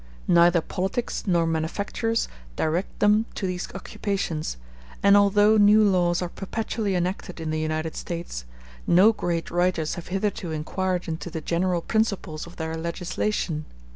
Neither politics nor manufactures direct them to these occupations; and although new laws are perpetually enacted in the United States, no great writers have hitherto inquired into the general principles of their legislation.